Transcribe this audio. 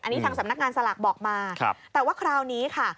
อันนี้ทางสำนักงานสลากบอกมาแต่ว่าคราวนี้ค่ะ